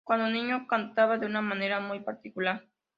Cuando niño, cantaba de una manera muy particular.